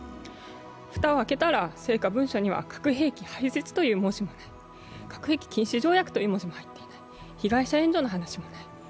蓋を開けたら、核兵器廃絶という文字も入っていない、核兵器禁止条約という文字も入っていない、被害者援助の話もない。